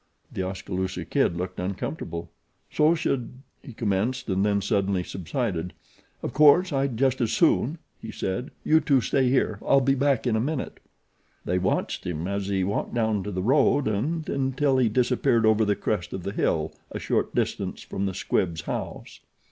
The Oskaloosa Kid looked uncomfortable. "So should " he commenced, and then suddenly subsided. "Of course I'd just as soon," he said. "You two stay here I'll be back in a minute." They watched him as he walked down to the road and until he disappeared over the crest of the hill a short distance from the Squibbs' house.